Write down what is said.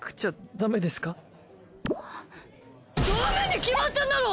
だめに決まってんだろ！